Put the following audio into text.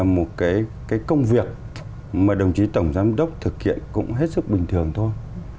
mời đồng chí tổng giám đốc thực hiện cũng hết sức bình thường thôi